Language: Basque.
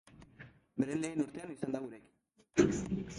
Beren lehen urtea izan da gurekin.